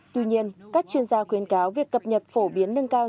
tuy nhiên các chuyên gia khuyến cáo việc cập nhật phổ biến nâng cao